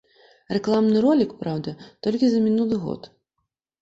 Рэкламны ролік, праўда, толькі за мінулы год.